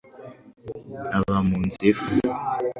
aba mu nzu iva,